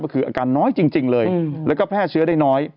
ก็คืออาการน้อยจริงเลยแล้วก็แพร่เชื้อได้น้อย